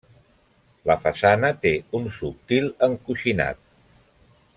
La façana té un subtil encoixinat.